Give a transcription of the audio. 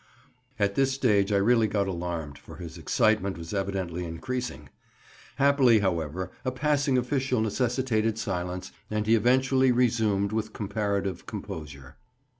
At this stage I really got alarmed, far his excitement was evidently increasing. Happily, however, a passing official necessitated silence, and he eventually resumed with comparative composure.